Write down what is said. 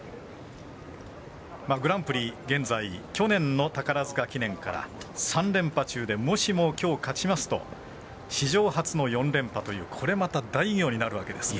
グランプリ現在、去年の宝塚記念から３連覇中でもしも、きょう勝ちますと史上初の４連覇というこれまた大偉業になるわけですが。